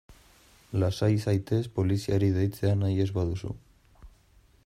Lasai zaitez poliziari deitzea nahi ez baduzu.